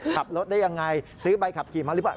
ขับรถได้ยังไงซื้อใบขับขี่มาหรือเปล่า